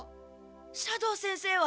斜堂先生は？